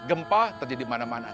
gempa terjadi dimana mana